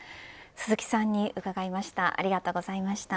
鈴木さんに伺いました。